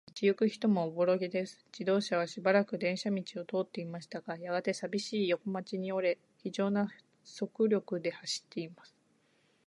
道ゆく人もおぼろげです。自動車はしばらく電車道を通っていましたが、やがて、さびしい横町に折れ、ひじょうな速力で走っています。